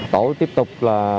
tổ tiếp tục